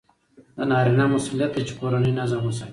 د نارینه مسئولیت دی چې کورنی نظم وساتي.